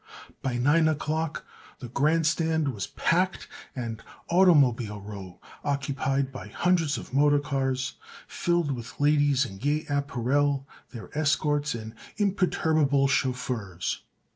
By nine o'clock the grand stand was packed and "automobile row" occupied by hundreds of motor cars, filled with ladies in gay apparel, their escorts and imperturbable chauffeurs.